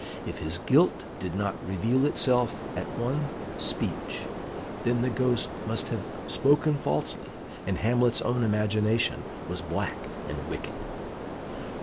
If his guilt did not reveal itself at one speech, then the Ghost must have spoken falsely, and Hamlet's own imagination was black and wicked.